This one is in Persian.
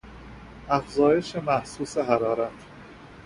افزایش محسوس حرارت